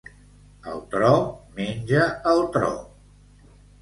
El tro menja el tro.